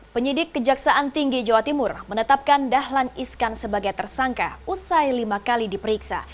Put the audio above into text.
penyidik kejaksaan tinggi jawa timur menetapkan dahlan iskan sebagai tersangka usai lima kali diperiksa